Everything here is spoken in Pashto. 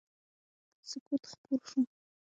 سکوت خپور شو.